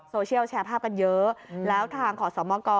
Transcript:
โซเชียลแชร์ภาพกันเยอะแล้วทางขอสอมโมกอ